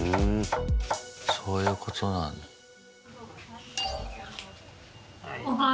そういうことなんだ。え。